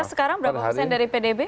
sekarang berapa persen dari pdb